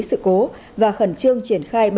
sự cố và khẩn trương triển khai